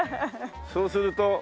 そうすると。